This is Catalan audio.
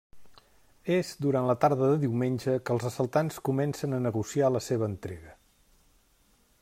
És durant la tarda de diumenge que els assaltants comencen a negociar la seva entrega.